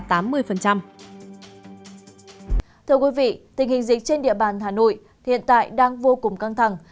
thưa quý vị tình hình dịch trên địa bàn hà nội hiện tại đang vô cùng căng thẳng